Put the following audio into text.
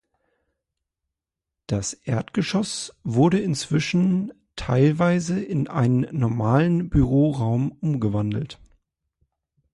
Das Erdgeschoss wurde inzwischen teilweise in einen normalen Büroraum umgewandelt.